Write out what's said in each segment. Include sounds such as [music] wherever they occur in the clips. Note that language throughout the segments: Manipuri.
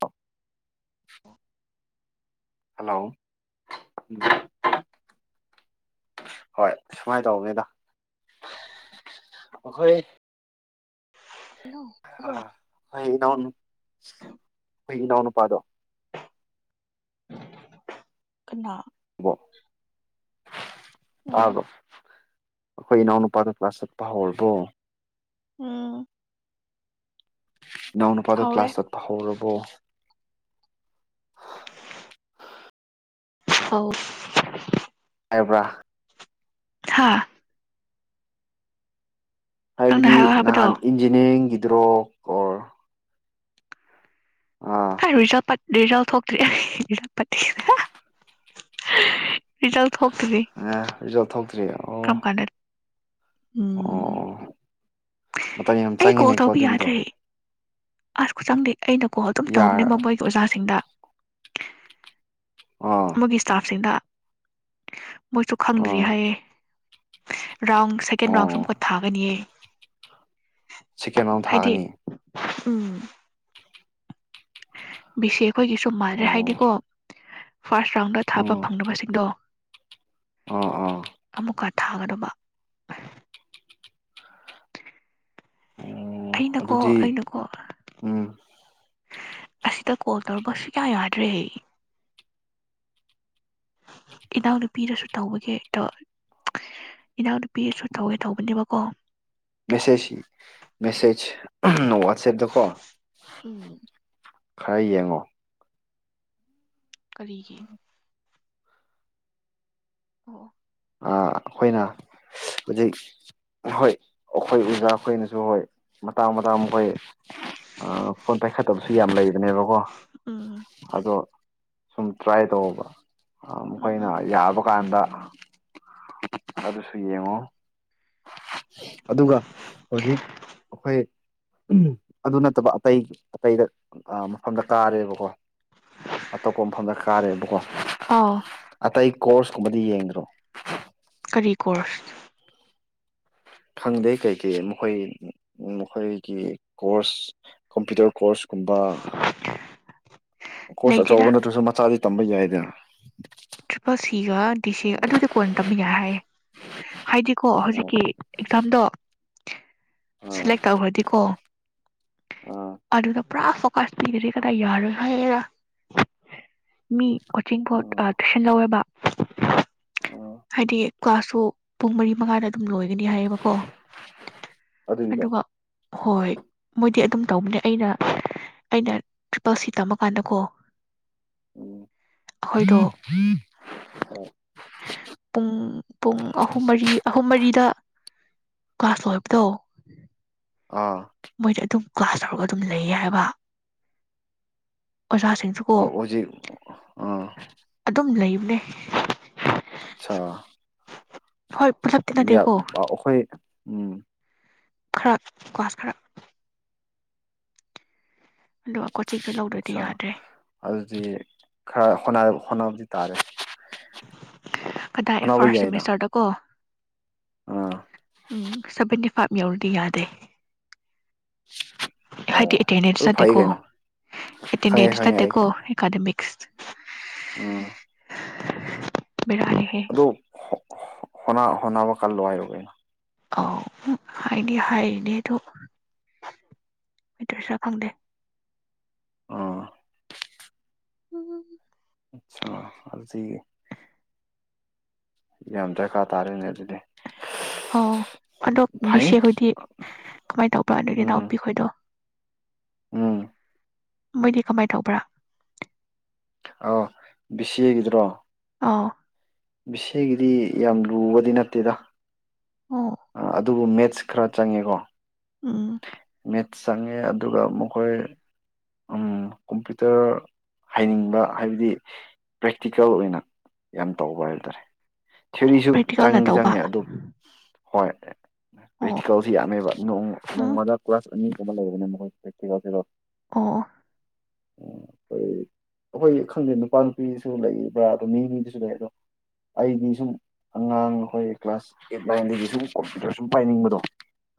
ꯑ [inaudible] ꯍꯜꯂꯣ ꯍꯣꯏ ꯁꯨꯃꯥꯏꯅ ꯇꯧꯕꯅꯤꯗ ꯑꯩꯈꯣꯏ ꯏꯣꯕ ꯑꯩꯈꯣꯏ ꯏꯅꯥꯎ ꯑꯩꯈꯣꯏ ꯏꯅꯥꯎꯅꯨꯄꯥꯗꯣ ꯀꯅꯥ ꯎꯝ ꯍꯥꯏꯣ ꯑꯩꯈꯣꯏ ꯏꯅꯥꯎꯅꯨꯄꯥꯗ ꯀ꯭ꯂꯥꯁ ꯆꯠꯄ ꯍꯧꯔꯕꯣ ꯑ ꯅꯎꯅ ꯅꯨꯄꯥꯗ ꯍꯧꯔꯦ ꯀ꯭ꯂꯥꯁ ꯆꯠꯄ ꯍꯧꯧꯔꯕ ꯑꯣ ꯍ ꯍꯥꯏꯕ꯭ꯔ ꯊꯥ ꯅꯪꯅ ꯍꯥꯏꯕꯗꯤ ꯍꯥꯏꯌꯣ ꯍꯥꯏꯕꯗꯣ ꯅꯍꯥꯟ ꯏꯟꯖꯤꯅꯤꯌꯥꯔꯤꯡꯒꯤ ꯗ꯭ꯔꯣꯛ ꯑꯣ ꯑꯖ ꯄ ꯔꯤꯖꯜ ꯊꯣꯛꯇ꯭ꯔꯤ ꯌꯥ ꯐꯠꯇꯔꯤꯜ ꯑ ꯖ ꯊ ꯑꯣ ꯀꯔꯝ ꯀꯥꯟꯗ ꯑꯣ ꯎꯝ ꯃꯇꯝ ꯌꯥꯝ ꯆꯪꯉꯤꯅꯦꯀꯣ ꯑꯗꯨꯒꯤꯗꯣ ꯑꯁꯀꯨ ꯆꯪꯗꯦ ꯑꯩꯅ ꯀꯣꯜ ꯑꯗꯨꯝ ꯇꯧꯕꯅꯦ ꯌꯥꯔ ꯃ ꯃꯣꯏꯒꯤ ꯑꯣꯖꯥꯁꯤꯡꯗ ꯑꯥ ꯃꯣꯏꯒꯤ ꯏꯁꯇꯥꯐꯁꯤꯡꯗ ꯃꯣꯏꯁꯨ ꯈꯪꯗ꯭ꯔꯤ ꯑꯥ ꯍꯥꯏꯌꯦꯦ ꯔꯥꯎꯟ ꯁꯦꯀꯦꯟ ꯔꯥꯎꯟꯁꯨ ꯑꯃꯨꯛꯀ ꯊꯥꯒꯅꯤꯌꯦ ꯆꯤꯀꯦꯟ ꯑꯃ ꯍꯥꯏꯗꯤ ꯊꯥꯒꯅꯤ ꯎꯝ ꯕꯤꯁꯦ ꯑꯩꯈꯣꯏꯒꯤꯁꯨ ꯃꯥꯟꯗ꯭ꯔꯦ ꯑꯣ ꯍꯥꯏꯗꯤꯀꯣ ꯐꯥꯔꯁ ꯔꯥꯎꯟꯗ ꯊꯥꯕ ꯑꯥ ꯐꯪꯂꯕꯁꯤꯡꯗꯣ ꯑꯥ ꯑꯥ ꯑꯃꯃꯛ ꯀ ꯊꯥꯒꯗꯕ ꯑꯣ ꯑꯩꯅꯀꯣ ꯑꯗꯨꯗꯤ ꯑꯩꯅꯀꯣ ꯎꯝ ꯑꯁꯤꯗ ꯀꯣꯜ ꯇꯧꯔꯔꯕꯁꯨ ꯀꯌꯥ ꯌꯥꯗ꯭ꯔꯦ ꯏꯅꯥꯎꯅꯨꯄꯤꯗꯁꯨ ꯇꯧꯕꯒꯤꯦ ꯏꯅꯥꯎꯅꯨꯄꯤꯗꯁꯨ ꯇꯧꯒꯦ ꯇꯧꯕꯅꯦꯕꯀꯣ ꯃꯦꯁꯦꯖ ꯃꯦꯁꯦꯖ ꯋꯥꯠꯁꯑꯞꯗ ꯀꯣ ꯎꯝ ꯈꯔ ꯌꯦꯡꯉꯣ ꯀꯔꯤꯒꯤꯦ ꯑꯣ ꯑꯩꯈꯣꯏꯅ ꯍꯧꯖꯤꯛ ꯍꯣꯏ ꯑꯩꯈꯣꯏ ꯑꯣꯖꯥ ꯑꯩꯈꯣꯏꯅꯁꯨ ꯍꯣꯏ ꯃꯇꯥꯡ ꯃꯇꯥꯡ ꯃꯈꯣꯏ ꯐꯣꯟ ꯄꯥꯏꯈꯠꯇꯕꯁꯨ ꯌꯥꯝ ꯂꯩ ꯏꯅꯦꯕꯀꯣ ꯎꯝ ꯑꯗꯣ ꯁꯨꯝ ꯇ꯭ꯔꯥꯏ ꯇꯧꯕ ꯑꯈꯣꯏꯅ ꯎꯝ ꯌꯥꯕ ꯀꯥꯟꯗ ꯑꯗꯨꯁꯨ ꯌꯦꯡꯉꯣ ꯑꯗꯨꯒ ꯍꯧꯖꯤꯛ ꯑꯩꯈꯣꯏ ꯑꯗꯨ ꯅꯠꯇꯕ ꯑꯇꯩ ꯑꯇꯩꯗ ꯃꯐꯝꯗ ꯀꯥꯔꯦꯕꯀꯣ ꯑꯇꯣꯞꯄ ꯃꯐꯝꯗ ꯀꯥꯔꯦꯕꯀꯣ ꯑꯥꯎ ꯑꯇꯩ ꯀꯣꯔꯁ ꯀꯨꯝꯕꯗꯤ ꯌꯦꯡ꯭ꯔꯣ ꯀꯔꯤ ꯀꯣꯔꯁ ꯈꯪꯗꯦ ꯀꯩꯀꯩ ꯃꯈꯣꯏ ꯃꯈꯣꯏꯒꯤ ꯀꯣꯔꯁ ꯀꯝꯄ꯭ꯌꯨꯇꯔ ꯀꯣꯔꯁ ꯨꯝꯕ ꯀꯣꯔꯁ ꯂꯩꯇꯦꯗ ꯑꯆꯧꯕ ꯅꯠꯇ꯭ꯔꯁꯨ ꯃꯆꯥꯗꯤ ꯄꯠꯇꯝꯕꯗꯏꯗ ꯇꯔꯤꯄꯜ ꯁꯤꯒ ꯗꯤ ꯁꯤꯒ ꯑꯗꯨꯗꯤ ꯀꯣꯟꯅ ꯇꯝꯃꯤ ꯌꯥꯏ ꯍꯥꯏꯌꯦ ꯍꯥꯏꯗꯤꯀꯣ ꯑꯥ ꯍꯧꯖꯤꯛꯀꯤ ꯑꯦꯛꯖꯥꯝꯗꯣ ꯁꯂꯦꯛ ꯇꯧꯈ꯭ꯔꯗꯤꯀꯣ ꯑꯥ ꯑꯗꯨꯗ ꯄꯨꯥ ꯐꯣꯀꯁ ꯊꯦ ꯀꯗꯥ ꯌꯔ ꯃꯤ ꯑꯣꯆꯤꯡꯄꯣꯠ ꯑꯣꯏꯕ ꯎ ꯀꯥꯁꯁꯨ ꯄꯨꯡ ꯃꯔꯤ ꯃꯉꯥꯗ ꯁꯨꯝ ꯂꯣꯏꯒꯅꯤ ꯍꯥꯏꯌꯦꯕꯀꯣ ꯑꯗꯨꯒꯤꯗꯣ ꯑꯗꯨꯒ ꯍꯣꯏ ꯃꯣꯏꯗꯤ ꯑꯗꯨꯝ ꯇꯧꯕꯅꯦ ꯑꯩꯅ ꯑꯩꯅ ꯇ꯭ꯔꯤꯄꯜ ꯁꯤ ꯇꯝꯃꯀꯥꯟꯗꯀꯣ ꯑꯣ ꯎ ꯑꯩꯈꯣꯏꯗꯣ ꯎ ꯄꯨꯡ ꯄꯨꯡ ꯑꯍꯨꯝ ꯃꯔꯤ ꯑꯍꯨꯝ ꯃꯔꯤꯗ ꯀ꯭ꯂꯥꯁ ꯂꯣꯏꯕꯥꯇꯣ ꯑꯥ ꯃꯣꯏꯗ ꯑꯗꯨꯝ ꯀ꯭ꯂꯥꯁ ꯇꯧꯔꯒ ꯑꯗꯨꯝ ꯂꯩ ꯍꯥꯏꯕ ꯑꯣꯖꯥꯁꯤꯡꯁꯨꯀꯣ ꯑꯣ ꯍꯧꯖꯤ ꯑꯥ ꯑꯗꯨ ꯑꯆꯥ ꯍꯣꯏ ꯄꯨꯂꯞꯇꯤ ꯅꯠꯇꯦꯀꯣ ꯑꯩꯈꯣꯏ ꯎꯝ ꯈꯔ ꯀꯥꯁ ꯈꯔ ꯑꯗꯨꯒ ꯀꯣꯆꯤꯛꯁꯨ ꯂꯧꯗ꯭ꯔꯗꯤ ꯑꯠꯆꯥ ꯌꯥꯗ꯭ꯔꯦ ꯑꯗꯨꯗꯤ ꯈꯔ ꯍ ꯍꯣꯠꯅꯕꯗꯤ ꯇꯥꯔꯦ ꯀꯗꯥꯏ ꯍꯣꯠꯅꯕ ꯐꯥꯔꯁ ꯌꯥꯏꯅ ꯁꯦꯃꯤꯁꯇꯔꯗꯀꯣ ꯑꯥ ꯎꯝ ꯁꯥꯕꯟꯇꯤ ꯄꯥꯏꯕ ꯌꯎꯔꯗꯤ ꯌꯥꯗꯦ ꯑꯣ ꯍꯥꯏꯗꯤ ꯑꯦꯇꯦꯟꯗꯦꯟꯁ ꯑꯗꯨ ꯐꯩ ꯅꯠꯇꯦꯀꯣ ꯀꯩꯅꯣ ꯈꯪꯉꯦ ꯑꯦꯇꯦꯟꯗꯦꯟꯁ ꯅꯠꯇꯦꯀꯣ ꯑꯦꯀꯥꯗꯃꯤꯛꯁ ꯑꯝ ꯕꯦꯔꯥꯅꯤꯍꯦ ꯍꯣꯅꯥ ꯍꯅꯥꯕꯥ ꯀꯜꯂꯣ ꯍꯥꯏꯌꯣ ꯑꯧ ꯍꯥꯏꯗꯤ ꯍꯥꯏꯔꯤꯅꯦ ꯑꯗꯣ ꯆꯥ ꯐꯪꯗꯦ ꯑꯥ ꯎꯝ ꯎꯝ ꯑꯆꯥ ꯑꯗꯨꯗꯤ ꯌꯥꯝ ꯗꯔꯀꯥꯔ ꯇꯥꯔꯦꯅꯦ ꯑꯗꯨꯗꯤ ꯑꯣ ꯑꯗꯣ ꯐꯩ ꯕꯤꯁꯦ ꯈꯣꯏꯗꯤ ꯀꯃꯥꯏꯅ ꯇꯧꯕ꯭ꯔ ꯑꯗꯨꯏꯗꯤ ꯎꯝ ꯅꯥꯅꯥꯎꯄꯤꯈꯣꯏꯗꯣ ꯎꯝ ꯃꯣꯏꯗꯤ ꯀꯃꯥꯏ ꯇꯧꯕ꯭ꯔꯥ ꯑ ꯕꯤꯁꯦ ꯒꯤꯗꯨꯔꯣ ꯑꯥ ꯕꯤꯁꯦ ꯒꯤꯗꯤ ꯌꯥꯝ ꯂꯨꯕꯗꯤ ꯅꯠꯇꯦꯗ ꯑꯥ ꯑꯗꯨꯕꯨ ꯃꯦꯠꯁ ꯈꯔ ꯆꯪꯉꯦꯀꯣ ꯑ ꯃꯦꯠꯁ ꯆꯪꯉꯦ ꯑꯗꯨꯒ ꯃꯈꯣꯏ ꯀꯝꯄ꯭ꯌꯨꯇꯔ ꯍꯩꯅꯤꯡꯕ ꯍꯥꯏꯕꯗꯤ ꯄ꯭ꯔꯦꯛꯇꯤꯀꯦꯜ ꯑꯣꯏꯅ ꯌꯥꯝ ꯇꯧꯕ ꯍꯥꯏꯇꯥꯔꯦ ꯑꯣ ꯊꯤꯑꯣꯔꯤꯁꯨ ꯄ꯭ꯔꯦꯛꯇꯤꯀꯦꯜꯅ ꯆꯪꯗꯤ ꯇꯧꯕ ꯆꯪꯉꯦ ꯑꯗꯨꯝ ꯍꯣꯏ ꯑꯣ ꯄ꯭ꯔꯦꯛꯇꯤꯀꯜꯁꯤ ꯌꯝꯃꯦꯕꯥ ꯎꯝ ꯅꯣꯡꯃꯗ [unintelligible] ꯑꯣ ꯎ ꯑꯩꯈꯣꯏ ꯑꯩꯈꯣꯏ ꯈꯪꯗꯦ ꯅꯨꯄꯥ ꯅꯨꯄꯤꯁꯨ ꯂꯩꯕ꯭ꯔꯥ ꯑꯗꯣ ꯃꯤ ꯃꯤꯗꯨꯁꯨ ꯂꯩ ꯑꯗꯣ ꯑꯩꯗꯤ ꯁꯨꯝ ꯑꯉꯥꯡ ꯑꯩꯈꯣꯏ ꯀ꯭ꯂꯥꯁ ꯑꯩꯠ ꯅꯥꯏꯟꯗꯒꯤ ꯁꯨꯝ ꯀꯝꯄ꯭ꯌꯨꯇꯔ ꯁꯨꯝ ꯄꯥꯏꯅꯤꯡꯕꯗꯣ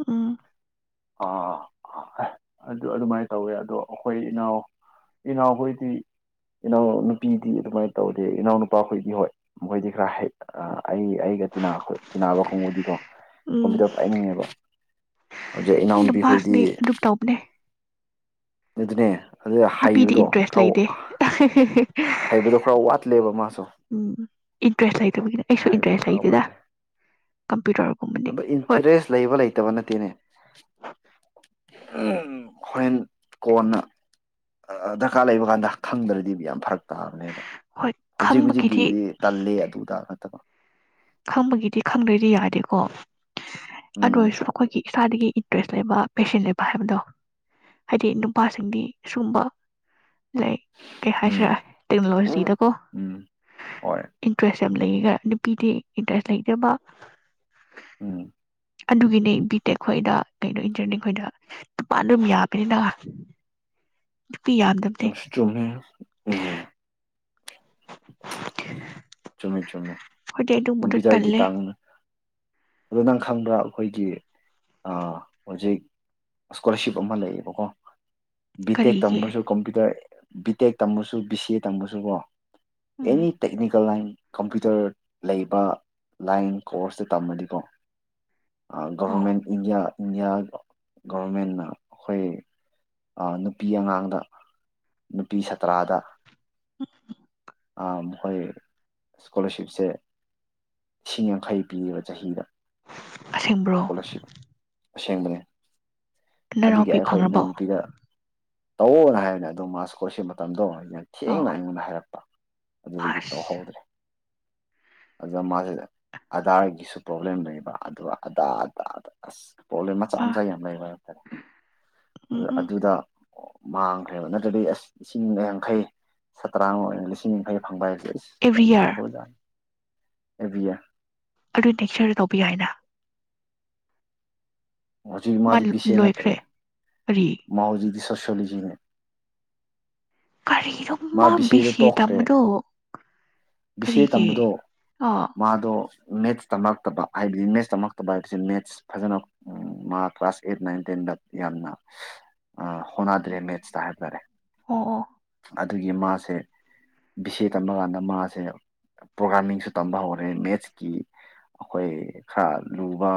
ꯎ ꯑꯥ ꯑꯗꯨ ꯑꯗꯨꯃꯥꯏꯅ ꯇꯧꯋꯦ ꯑꯗꯣ ꯑꯩꯈꯣꯏ ꯏꯅꯥꯎ ꯏꯅꯥꯎꯈꯣꯏꯗꯤ ꯏꯅꯥꯎꯅꯨꯄꯤꯗꯤ ꯑꯗꯨꯃꯥꯏꯅ ꯇꯧꯗꯦ ꯏꯅꯥꯎꯅꯄꯥꯈꯣꯏꯗꯤ ꯍꯣꯏ ꯃꯈꯣꯏꯗꯤ ꯈꯔ ꯍ ꯑ ꯑꯩ ꯑꯩꯒ ꯇꯤꯟꯅꯕ ꯀꯥꯡ ꯒꯨꯗꯤꯀꯣ ꯎꯝ ꯈꯣꯡꯕꯤꯗ ꯍꯥꯏꯅꯤꯡꯉꯦꯕ ꯍꯧꯖꯤꯛ ꯏꯅꯥꯎꯅꯨꯄꯤ ꯈꯣꯏꯗꯤ ꯅꯨꯄꯥꯁꯤꯗꯤ ꯑꯗꯨꯝ ꯇꯧꯕꯅꯦ ꯑꯗꯨꯅꯦ ꯑꯗꯨ ꯅꯨꯄꯤꯗꯤ ꯍꯩꯕꯗꯣ ꯏꯟꯇꯔꯦꯁ ꯈꯔ ꯂꯩꯗꯦ ꯍꯩꯕꯗꯣ ꯈꯔ ꯋꯥꯠꯂꯦꯕ ꯃꯥꯁꯨ ꯎꯝ ꯏꯟꯇꯔꯦꯁ ꯂꯩꯇꯕꯒꯤꯅꯦ ꯑꯩꯁꯨ ꯏꯟꯇꯔꯦꯁ ꯂꯩꯇꯦꯗ ꯀꯝꯄ꯭ꯌꯨꯇꯔꯒꯨꯝꯕꯗꯤ ꯑꯗ ꯍꯣꯏ ꯏꯟꯇꯔꯦꯁ ꯂꯩꯕ ꯂꯩꯇꯕ ꯅꯠꯇꯦꯅꯦ ꯍꯣꯔꯦꯟ ꯀꯣꯟꯅ ꯗꯔꯀꯥꯔ ꯂꯩꯕ ꯀꯥꯟꯗ ꯈꯪꯗ꯭ꯔꯗꯤ ꯌꯥꯝ ꯐꯔꯛ ꯇꯥꯕꯅꯦꯕ ꯍꯣꯏ ꯍꯨꯖꯤꯛ ꯈꯪꯕꯒꯤꯗꯤ ꯍꯨꯖꯤꯛꯀꯤꯗꯤ ꯇꯜꯂꯦ ꯑꯗꯨꯗ ꯅꯠꯇꯕ ꯈꯪꯕꯒꯤꯗꯤ ꯈꯪꯗ꯭ꯔꯗꯤ ꯌꯥꯗꯦꯀꯣ ꯑꯗꯨ ꯎꯝ ꯑꯣꯏꯁꯨ ꯑꯈꯣꯏꯒꯤ ꯏꯁꯥꯗꯒꯤ ꯏꯟꯇꯔꯦꯁ ꯂꯩꯕ ꯄꯦꯁꯟ ꯂꯩꯕ ꯍꯥꯏꯕꯗꯣ ꯍꯥꯏꯗꯤ ꯅꯨꯄꯥꯁꯤꯡꯗꯤ ꯁꯨꯒꯨꯝꯕ ꯂꯥꯏꯛ ꯀꯩ ꯍꯥꯏꯁꯤꯔ ꯎꯝ ꯇꯦꯛꯅꯣꯂꯣꯖꯤꯗꯀꯣ ꯎꯝ ꯍꯣꯏ ꯏꯟꯇꯔꯦꯁ ꯌꯥꯝ ꯂꯩ ꯈ ꯄꯤꯗꯦ ꯏꯟꯇꯔꯦꯁ ꯂꯩꯇꯦꯕ ꯎꯝ ꯑꯗꯨꯒꯤꯅꯦ ꯕꯤꯇꯦꯜ ꯑꯩꯈꯣꯏꯗ ꯀꯩꯩꯅꯣ ꯏꯟꯇꯔꯅꯦ ꯑꯩꯈꯣꯏꯗ ꯨꯄꯥꯥ [unintelligible] ꯑꯗꯨꯝ ꯌꯥꯕꯅꯤꯗ ꯆꯨꯝꯁꯨ ꯆꯨꯝꯃꯦ ꯎꯝ ꯆꯨꯝꯃꯤ ꯆꯨꯝꯃꯤ ꯈꯣꯏꯗꯤ ꯑꯗꯨꯝꯕ ꯗꯣ ꯇꯜꯂꯦ ꯑ ꯅꯪ ꯈꯪꯕ꯭ꯔꯥ ꯑꯩꯈꯣꯏꯒꯤ ꯍꯧꯖꯤꯛ ꯏꯁꯀꯣꯂꯥꯔꯁꯤꯞ ꯑꯃ ꯂꯩꯌꯦꯕꯀꯣ ꯕꯤ ꯇꯦꯛ ꯀꯔꯤꯒꯤ ꯇꯝꯕꯁꯨ ꯀꯝꯄꯌꯨꯇꯔ ꯕꯤ ꯇꯦꯛ ꯇꯝꯕꯁꯨ ꯕꯤ ꯁꯤ ꯑꯦ ꯇꯝꯕꯁꯨꯕꯣ ꯎꯝ ꯑꯦꯅꯤ ꯇꯦꯛꯅꯤ ꯂꯥꯏꯟ ꯀꯝꯄ꯭ꯌꯨꯇꯔ ꯂꯩꯕ ꯂꯥꯏꯟ ꯀꯣꯔꯁꯇ ꯇꯝꯃꯗꯤꯀꯣ ꯑꯧ ꯒꯕꯔꯃꯦꯟ ꯏꯟꯗꯤꯌꯥ ꯏꯟꯗꯤꯌꯥ ꯒꯣꯚꯔꯃꯦꯟꯅ ꯑꯩꯈꯣꯏ ꯅꯨꯄꯤ ꯑꯉꯥꯡꯗ ꯅꯨꯄꯤ ꯁꯥꯇ꯭ꯔꯥꯗ ꯎꯝ ꯑ ꯍꯣꯏ ꯏꯁꯀꯣꯂꯥꯔꯁꯤꯞꯁꯦ ꯂꯤꯁꯤꯡ ꯌꯥꯡꯈꯩ ꯄꯤꯕ ꯆꯍꯤꯗ ꯑꯁꯤꯦꯡꯕ꯭ꯔꯣ ꯑꯁꯦꯡꯕꯅꯤ ꯑꯗꯨꯒꯤ ꯑꯩꯈꯣꯏ ꯐꯪꯔꯕꯣ ꯏꯅꯥꯎꯅꯨꯄꯤꯗ ꯇꯧꯑꯣꯅ ꯍꯥꯏꯕꯅꯦ ꯑꯗꯨ ꯃꯥꯁ ꯀꯣꯠꯁꯤ ꯃꯇꯝꯗꯣ ꯑꯧ ꯊꯦꯡꯅ ꯑꯩꯉꯣꯟꯗ ꯍꯥꯏꯔꯛꯄ ꯑꯗꯨꯗꯒꯤ ꯑꯁ ꯇꯧꯍꯧꯗ꯭ꯔꯦ ꯑꯗꯨꯗ ꯃꯥꯁꯤꯗ ꯑꯙꯥꯔꯒꯤꯁꯨ ꯄ꯭ꯔꯣꯕ꯭ꯂꯦꯝ ꯂꯩꯕ ꯑꯗꯨꯒ ꯑꯗꯗ ꯑꯁ ꯄ꯭ꯔꯣꯕ꯭ꯂꯦꯝ ꯃꯆꯥ ꯑꯥ ꯃꯆꯥ ꯌꯥꯝ ꯂꯩꯕ ꯍꯥꯏꯕꯇꯥꯔꯦ ꯎꯝ ꯑꯗꯨꯗ ꯎꯝ ꯑꯗꯨꯗ ꯑꯣ ꯃꯥꯡꯈ꯭ꯔꯦꯕ ꯅꯠꯇ꯭ꯔꯗꯤ ꯑꯁ ꯂꯤꯁꯤꯡ ꯌꯥꯡꯈꯩ ꯁꯇ꯭ꯔꯥ ꯂꯤꯁꯤꯡ ꯌꯥꯡꯈꯩ ꯐꯪꯕ ꯍꯥꯏꯁꯦ ꯑꯦꯕ꯭ꯔꯤ ꯌꯥꯔ ꯃꯥꯏꯈꯖ ꯏꯕꯤꯌꯥ ꯑꯗꯨ ꯅꯦꯛꯆꯔꯗ ꯇꯧꯕꯤ ꯌꯥꯏꯅ ꯍꯧꯖꯤꯛ ꯃꯥ ꯃꯥꯗꯤ ꯕꯤꯁꯦ ꯅꯠꯇ꯭ꯔꯦ ꯂꯣꯏꯈ꯭ꯔꯦ ꯀꯔꯤ ꯃꯥ ꯍꯧꯖꯤꯛꯇꯗꯤ ꯆꯂꯤꯖꯅꯦ ꯀꯔꯤꯔꯨꯝꯃ ꯕꯤ ꯕꯤꯁꯤꯦ ꯇꯝꯕꯗꯣ ꯕꯤꯁꯦ ꯀꯔꯤꯒꯤ ꯇꯝꯕꯗꯣ ꯑꯥ ꯃꯥꯗꯣ ꯃꯦꯠꯁ ꯇꯝꯃꯛꯇꯕ ꯍꯥꯏꯕꯗꯤ ꯃꯦꯠꯁ ꯇꯝꯃꯛꯇꯕ ꯍꯥꯏꯕꯁꯤ ꯃꯦꯠꯁ ꯐꯖꯅ ꯃꯥ ꯀ꯭ꯂꯥꯁ ꯑꯩꯠ ꯅꯥꯏꯟ ꯇꯦꯟꯗ ꯌꯥꯝꯅ ꯍꯣꯠꯅꯗ꯭ꯔꯦ ꯃꯦꯠꯁꯇ ꯍꯥꯏꯕ ꯇꯥꯔꯦ ꯑꯣ ꯑ ꯑꯗꯨꯒꯤ ꯃꯥꯁꯦ ꯕꯤꯁꯦ ꯇꯝꯕ ꯀꯥꯟꯗ ꯃꯥꯁꯦ ꯁꯦ ꯄ꯭ꯔꯣꯒꯥꯥꯃꯤꯡꯁꯨ ꯇꯝꯕ ꯍꯧꯔꯦ ꯃꯦꯠꯁꯀꯤ ꯑꯩꯈꯣꯏ ꯈꯔ ꯂꯨꯕ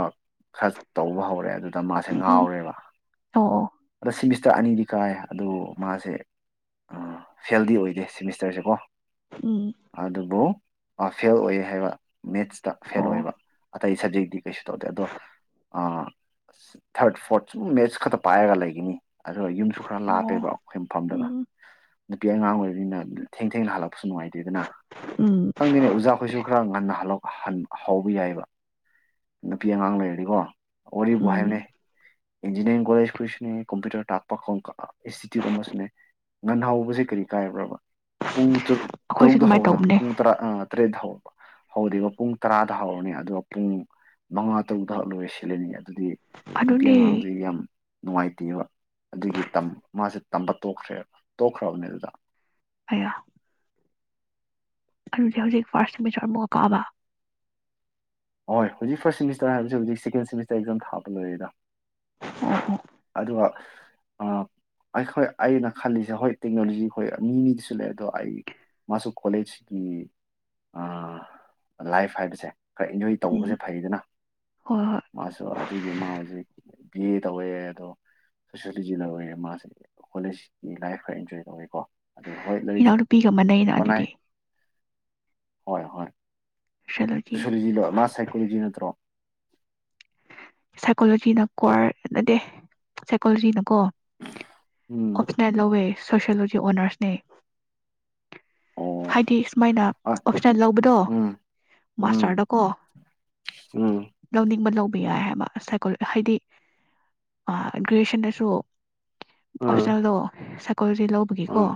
ꯈꯔ ꯇꯧꯕ ꯍꯧꯔꯦ ꯑꯗꯨ ꯑ ꯃꯥꯁꯦ ꯎꯝ ꯎꯝ ꯉꯥꯎꯔꯦꯕ ꯑꯣ ꯑꯣ ꯑꯗ ꯁꯤꯁ ꯆꯇ ꯑꯅꯤꯗꯤ ꯀꯥꯏ ꯑꯗꯨ ꯃꯥꯁꯦ ꯐꯦꯜꯗꯤ ꯑꯣꯏꯗꯦ ꯁꯤꯦꯃꯤꯁꯇꯔꯁꯦꯀꯣ ꯎꯝ ꯑꯗꯨꯕꯨ ꯐꯦꯜ ꯑꯣꯏ ꯍꯥꯏꯕ ꯃꯦꯠꯁꯇ ꯐꯦꯜ ꯑꯣ ꯑꯣꯏꯕ ꯑꯇꯩ ꯁꯕꯖꯦꯛꯇꯤ ꯀꯩꯁꯨ ꯇꯧꯗꯦ ꯑꯗꯣ ꯊꯥꯔꯠ ꯐꯣꯔꯠ ꯁꯨꯝ ꯃꯦꯠꯁ ꯈꯛꯇ ꯄꯥꯏꯔꯒ ꯂꯩꯒꯅꯤ ꯑꯗꯨꯒ ꯌꯨꯝꯁꯨ ꯈꯔ ꯂꯥꯞꯄꯦꯕ ꯑꯣ ꯑꯩꯈꯣꯏ ꯃꯐꯝꯗꯨꯅ ꯎꯝ ꯅꯨꯄꯤ ꯑꯉꯥꯡ ꯑꯣꯏꯕꯔꯤꯅꯤꯅ ꯊꯦꯡꯅ ꯍꯥꯜꯂꯄꯁꯨ ꯉꯥꯏꯇꯗꯦꯗ ꯎꯝ ꯈꯪꯗꯦꯅꯦ ꯑꯣꯖꯥꯈꯣꯏꯁꯨ ꯈꯔ ꯉꯟꯅ ꯍꯜꯂꯛ ꯑꯍꯟ ꯍꯧꯕ ꯌꯥꯏꯕ ꯅꯨꯄꯤ ꯑꯉꯥꯡ ꯂꯩꯔꯗꯤꯀꯣ ꯑꯣꯏꯔꯤꯕ ꯍꯥꯏꯥꯏꯅꯦ ꯎꯝ ꯏꯟꯖꯤꯅꯤꯌꯥꯔꯤꯡ ꯀꯣꯂꯦꯖꯈꯣꯏꯁꯨꯅꯦ ꯀꯝꯄ꯭ꯌꯨꯇꯔ ꯇꯥꯛꯄ ꯏꯟꯁꯇꯤꯇ꯭ꯌꯨꯠ ꯑꯃꯁꯨꯅꯦ ꯉꯟꯍꯧꯕꯁꯦ ꯀꯔꯤ ꯀꯥꯏꯕ꯭ꯔꯕ ꯄꯨꯡ ꯨ ꯑꯩꯈꯣꯏꯁꯨ ꯇꯔꯨꯛꯇ ꯑꯗꯨꯃꯥꯏꯅ ꯍꯧꯅ ꯇꯧꯕꯅꯦ ꯇꯨꯡ ꯇ꯭ꯔꯥ ꯑ ꯇ꯭ꯔꯦꯗ ꯍꯧꯔꯤꯕ ꯄꯨꯡ ꯇꯔꯥꯗ ꯍꯧꯔꯅꯤ ꯑꯗꯨꯒ ꯄꯨꯡ ꯃꯉꯥ ꯇꯔꯨꯛꯇ ꯍ ꯂꯣꯏ ꯁꯤꯂꯅꯤ ꯑꯗꯨꯗꯤ ꯅꯨꯄꯤ ꯑꯗꯨꯅꯦ ꯑꯉꯥꯡꯗꯨ ꯌꯥꯝ ꯅꯨꯡꯉꯥꯏꯇꯦꯕ ꯑꯗꯨꯒꯤ ꯃꯥꯁꯦ ꯇꯝꯕ ꯇꯣꯛꯈ꯭ꯔꯦꯕ ꯇꯣꯛꯈ꯭ꯔꯕꯅꯤ ꯑꯗꯨꯗ ꯑꯌꯥ ꯑꯗꯨꯗꯤ ꯍꯧꯖꯤꯛ ꯐꯥꯔꯁ ꯁꯦꯃꯤꯆꯣꯔ ꯑꯃꯨꯛꯒꯛ ꯀꯥꯕ ꯍꯣꯏ ꯍꯧꯖꯤꯛ ꯐꯥꯔꯁ ꯁꯦꯃꯤꯁꯇꯔ ꯍꯥꯏꯕꯁꯤꯁ ꯍꯧꯖꯤꯛ ꯁꯦꯀꯦꯟ ꯁꯃꯤꯁꯔ ꯑꯦꯛꯖꯥꯝ ꯊꯥꯕ ꯂꯣꯏꯔꯦꯗ ꯑꯣ ꯍꯣ ꯑꯗꯨꯒ ꯑ ꯑꯩꯈꯣꯏ ꯑꯩꯅ ꯈꯜꯂꯤꯁꯦ ꯍꯣꯏ ꯇꯦꯛꯅꯣꯂꯣꯖꯤ ꯈꯣꯏ ꯃꯤ ꯃꯤꯗꯁꯨ ꯂꯩ ꯑꯗꯣ ꯑꯩ ꯃꯥꯁꯨ ꯀꯣꯂꯦꯖꯀꯤ ꯂꯥꯏꯐ ꯍꯥꯏꯕꯁꯦ ꯈꯔ ꯏꯟꯖꯣꯏ ꯎꯝ ꯇꯧꯕꯁꯦ ꯐꯩꯗꯅ ꯍꯣꯏ ꯍꯣꯏ ꯃꯥꯁꯨ ꯑꯗꯨꯒꯤ ꯃꯥ ꯍꯧꯖꯤꯛ ꯀꯤ ꯇꯧꯋꯦ ꯑꯗꯣ ꯁꯣꯁꯤꯌꯣꯂꯣꯖꯤ ꯗ ꯑꯣꯏꯔꯦ ꯃꯥꯁꯤ ꯀꯣꯂꯦꯖꯀꯤ ꯂꯥꯏꯐ ꯈꯔ ꯏꯟꯖꯣꯏ ꯇꯧꯋꯦꯀꯣ ꯑꯗꯨ ꯍꯣꯏ ꯂꯥꯏꯔꯤꯛꯁꯨ ꯏꯅꯥꯎꯅꯨꯄꯤꯒ ꯃꯥꯟꯅꯩꯩꯅ ꯍꯣꯠꯅꯩ ꯑꯗꯨꯗꯤ ꯍꯣꯏ ꯍꯣꯏ ꯁꯣꯁꯤꯌꯣꯂꯣꯖꯤ ꯁꯣꯁꯣꯂꯣꯖꯤ ꯂꯣ ꯃꯥ ꯁꯥꯏꯀꯣꯖꯤ ꯅꯠꯇ꯭ꯔꯣ ꯁꯥꯏꯀꯣꯂꯣꯖꯤ ꯅ ꯀ꯭ꯋꯥꯔ ꯅꯗꯦ ꯁꯥꯏꯀꯣꯂꯣꯖꯤ ꯅ ꯀꯣ ꯎꯝ ꯑꯣꯞꯁꯅꯦꯜ ꯂꯧꯋꯦ ꯁꯣꯁꯤꯌꯣꯂꯣꯖꯤ ꯑꯣꯅꯔꯁꯅꯦ ꯑꯣ ꯍꯥꯏꯗꯤ ꯁꯨꯃꯥꯏꯅ ꯑ ꯑꯣꯞꯁꯅꯦꯜ ꯂꯧꯕꯗꯣ ꯎꯝ ꯎꯝ ꯃꯥꯁꯇꯔꯗꯀꯣ ꯎꯝ ꯂꯧꯅꯤꯡꯕ ꯂꯧ ꯕꯤꯌꯥꯍꯄꯤ ꯃꯥ ꯁꯥꯏꯀꯣ ꯍꯥꯏꯗꯤ ꯒ꯭ꯔꯦꯖꯨꯌꯦꯁꯟꯗꯁꯨ ꯎꯝ ꯑꯣꯞꯁꯅꯦꯜꯗꯣ ꯁꯥꯏꯀꯣꯂꯣꯖꯤ ꯂꯧꯕꯒꯤꯀꯣ ꯎꯝ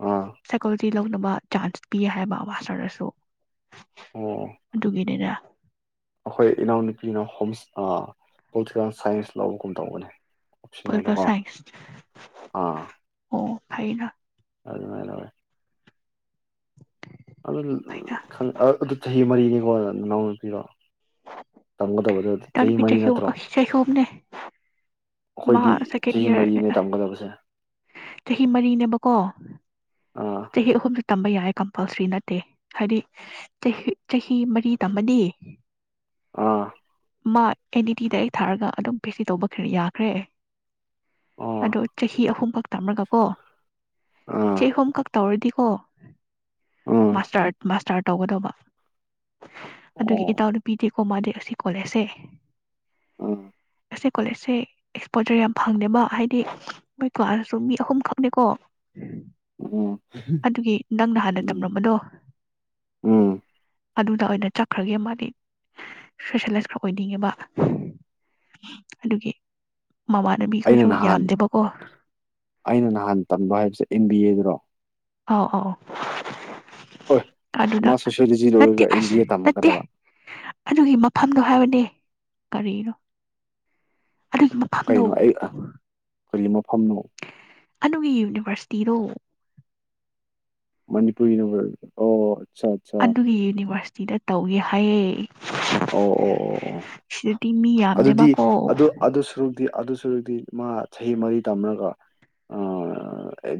ꯑꯥ ꯁꯥꯏꯀꯣꯂꯣꯖꯤ ꯂꯧꯅꯕ ꯆꯥꯟꯁ ꯄꯤ ꯍꯥꯏꯕ ꯃꯥꯁꯇꯔꯗꯁꯨ ꯑꯣ ꯑꯗꯨꯒꯤ ꯗꯦꯅ ꯑꯩꯈꯣꯏ ꯏꯅꯥꯎꯅꯨꯄꯤꯅ ꯍꯣꯝꯁ ꯑ ꯄꯣꯂꯤꯇꯤꯀꯦꯜ ꯁꯥꯏꯟꯁ ꯂꯧꯒꯨꯝ ꯇꯧꯕꯅꯦ ꯄꯣꯜꯀꯦꯜ ꯑꯣꯞꯁꯅꯦꯜꯗꯀꯣ ꯁꯥꯏꯟꯁ ꯑꯣ ꯐꯩꯅ ꯑꯗꯨꯃꯦ ꯂꯧꯋꯦ ꯑꯗꯨ ꯐꯩꯅ ꯈꯪ ꯑꯥ ꯑꯗꯨ ꯆꯍꯤ ꯃꯔꯤ ꯅꯅꯧꯅꯨꯄꯤꯔꯣ [unintelligible] ꯇꯥꯟꯄꯤ ꯆꯍꯤ ꯍꯨꯝ ꯅꯠꯇ꯭ꯔꯣ ꯆꯩꯍꯝꯅꯦ ꯑꯥꯈꯣꯏꯒꯤ ꯆꯍꯤ ꯃꯔꯤꯅꯦ ꯇꯝꯒꯗꯕꯁꯦ ꯆꯍꯤ ꯃꯔꯤꯅꯦꯕꯀꯣ ꯑꯥ ꯆꯍꯤ ꯑꯍꯨꯝ ꯇꯝꯕ ꯌꯥꯏ ꯀꯝꯄꯜꯁꯔꯤ ꯅꯠꯇꯦ ꯍꯥꯏꯗꯤ ꯆꯍꯤ ꯆꯍꯤ ꯃꯔꯤ ꯇꯝꯃꯗꯤ ꯑꯥ ꯃꯥ ꯑꯦꯟ ꯏ ꯇꯤ ꯗꯥꯏꯔꯦꯛ ꯊꯥꯔꯒ ꯑꯗꯨꯝ ꯄꯤ ꯍꯩꯁ ꯗꯤ ꯇꯧꯕ ꯌꯥꯈ꯭ꯔꯦ ꯑꯣ ꯑꯗꯣ ꯆꯍꯤ ꯑꯍꯨꯝꯈꯛ ꯇꯝꯔꯒ ꯀꯣ ꯑꯥ ꯆꯍꯤ ꯑꯍꯨꯝ ꯀꯛ ꯇꯧꯔꯗꯤ ꯀꯣ ꯎꯝ ꯃꯥꯁꯇꯔ ꯃꯥꯁꯇꯔ ꯇꯧꯒꯗꯧꯕ ꯑꯗꯨꯒꯤ ꯑꯣ ꯏꯇꯥꯎꯅꯨꯄꯤꯗꯤꯀꯣ ꯃꯥꯗꯤ ꯑꯁꯤ ꯀꯣꯂꯦꯖꯁꯦ ꯎꯝ ꯑꯁꯤ ꯀꯣꯂꯦꯖꯁꯦ ꯑꯦꯛꯁꯄꯣꯖꯔ ꯌꯥꯝ ꯐꯪꯗꯦꯕ ꯍꯥꯏꯗꯤ ꯃꯣꯏ ꯀ꯭ꯂꯥꯁ ꯁꯨ ꯃꯤ ꯑꯍꯨꯝꯈꯛꯅꯤꯀꯣ ꯎꯝ ꯑꯗꯨꯒꯤ ꯅꯪꯅ ꯍꯥꯟꯅ ꯎꯝ ꯇꯝꯔꯝꯕꯗꯣ ꯎꯝ ꯑꯗꯨꯗ ꯑꯣꯏꯅ ꯆꯠꯈ꯭ꯔꯒꯦ ꯑꯃꯗꯤ ꯁꯄꯦꯁꯦꯂꯥꯏꯁ ꯈꯔ ꯑꯣꯏꯅꯤꯡꯉꯦꯕ ꯑꯗꯨꯒꯤ ꯑꯩꯅ ꯃꯃꯥꯟꯅꯕꯤꯈꯣꯏꯁꯨ ꯅꯍꯥꯟ ꯌꯥꯝꯗꯦꯕꯀꯣ ꯑꯩꯅ ꯅꯍꯥꯟ ꯇꯝꯕ ꯍꯥꯏꯕꯁꯦ ꯑꯦꯟ ꯕꯤ ꯑꯦꯗ ꯑꯣ ꯑꯥꯎ ꯑꯥꯎ ꯍꯣꯏ ꯑꯗꯨꯗ ꯃꯥ ꯁꯣꯁꯤꯌꯣꯂꯣꯖꯤ ꯅꯠꯇꯦ ꯂꯣꯏꯔꯒ ꯑꯦꯝ ꯕꯤ ꯑꯁ ꯑꯦ ꯅꯠꯇꯦ ꯇꯝꯃꯛꯀꯗꯕ ꯑꯗꯨꯒꯤ ꯃꯐꯝꯗꯣ ꯍꯥꯏꯕꯅꯦ ꯀꯔꯤꯔꯣ ꯀꯩꯅꯣ ꯑꯩ ꯀꯔꯤꯃ ꯑꯗꯨꯒꯤ ꯌꯨꯅꯤꯚꯔꯁꯤꯇꯤꯗꯣ ꯃꯅꯤꯄꯨꯔꯔꯤꯅ ꯑꯣꯏ ꯑꯣ ꯑꯠꯆꯥ ꯑꯠꯆꯥ ꯑꯣ ꯑꯗꯨꯒꯤ ꯌꯨꯅꯤꯚꯔꯁ ꯁꯤꯗ ꯇꯧꯒꯦ ꯍꯥꯏꯌꯦ ꯑꯣ ꯑꯣ ꯑꯣ ꯑꯣ ꯁꯤꯗꯗꯤ ꯃꯤ ꯑꯗꯨꯗꯤ ꯌꯥꯝꯗꯦꯕꯀꯣ ꯑꯗꯨ ꯑꯗꯨ ꯁꯨꯗꯤ ꯑꯗꯨꯁꯨꯗꯤ ꯃꯥ ꯆꯍꯤ ꯃꯔꯤ ꯇꯝꯔꯒ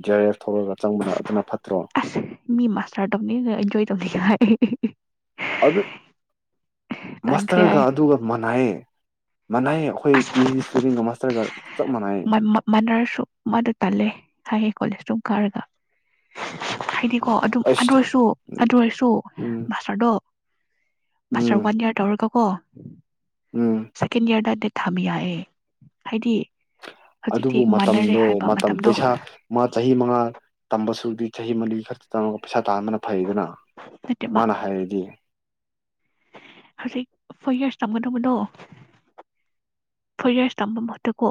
ꯖꯔ ꯑꯦꯐ ꯊꯣꯛꯂꯒ ꯆꯪꯕꯅ ꯑꯗꯨꯅ ꯐꯠꯇ꯭ꯔꯣ ꯑꯁ ꯃꯤ ꯃꯥꯁꯔ ꯇꯧꯅꯤ ꯑꯦꯟꯖ ꯇꯧ ꯑꯗꯨ ꯇꯟꯈ꯭ꯔꯦ ꯃꯁꯇꯔꯒ ꯍꯥꯏ ꯑꯗꯨꯒ ꯃꯥꯟꯅꯌꯦ ꯃꯅꯥꯏ ꯑꯩꯈꯣꯏ ꯄꯤ ꯑꯩꯆ ꯗꯤ ꯏꯁꯇꯨꯗꯦꯟꯒ ꯃꯥꯁꯇꯔꯒ ꯆꯞ ꯃꯥꯟꯅꯩꯌꯦ ꯃꯥꯟ ꯃꯥꯗ ꯇꯜꯂꯦ ꯍꯥꯏꯌꯦꯦ ꯀꯣꯂꯦꯖꯇꯝ ꯀꯥꯔꯒ ꯍꯥꯏꯗꯤꯀꯣ ꯑꯗꯨꯝ ꯑꯗꯨ ꯑꯩꯁ ꯑꯣꯏꯔꯁꯨ ꯑꯗꯨ ꯑꯣꯏꯔꯁꯨ ꯎꯝ ꯃꯥꯁꯇꯔꯗꯣ ꯃꯥꯁꯔ ꯎꯝ ꯋꯥꯟ ꯏꯌꯥꯔ ꯇꯧꯔꯒ ꯀꯣ ꯎꯝ ꯎꯝ ꯁ ꯀꯦꯟ ꯏꯌꯔꯗ ꯊꯝ ꯌꯥꯑꯦ ꯍꯥꯏꯗꯤ ꯍꯧꯖꯤꯛꯇꯤ ꯑꯗꯨꯕꯨ ꯃꯥꯟꯅꯔꯦ ꯃꯇꯝꯗꯣ ꯍꯥꯏꯕ ꯃꯇꯝ ꯃꯇꯝꯗꯣ ꯄꯩꯁꯥ ꯃꯥ ꯆꯍꯤ ꯃꯉꯥ ꯇꯝꯕꯁꯨꯗꯤ ꯆꯍꯤ ꯃꯔꯤ ꯈꯛꯇ ꯆꯪꯉ ꯄꯩꯁꯥ꯫ ꯇꯥꯟꯗꯅ ꯐꯩꯗꯅ ꯅꯠꯇꯦꯕ ꯃꯥꯅ ꯍꯥꯏꯔꯗꯤ ꯍꯧꯖꯤꯛ ꯐꯣꯔ ꯌꯔꯁ ꯇꯝꯒꯗꯧꯕꯅꯣ ꯐꯣꯔ ꯌꯔꯁ ꯇꯝꯕ ꯃꯍꯨꯠꯇ ꯀꯣ